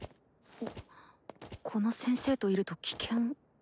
この先生といると危険かな？